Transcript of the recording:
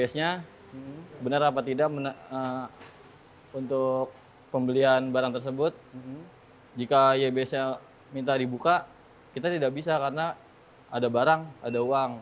benar apa tidak untuk pembelian barang tersebut jika ybs nya minta dibuka kita tidak bisa karena ada barang ada uang